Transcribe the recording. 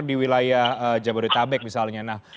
di wilayah jabodetabek misalnya